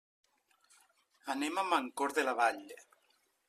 Anem a Mancor de la Vall.